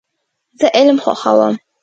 زه علم خوښوم .